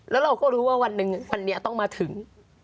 แล้วเราก็รู้ว่าวันหนึ่งวันนี้ต้องมาถึง